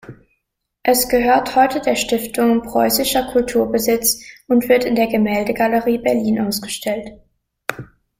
Es gehört heute der Stiftung Preußischer Kulturbesitz und wird in der Gemäldegalerie Berlin ausgestellt.